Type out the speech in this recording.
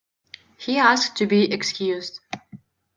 He asked to be excused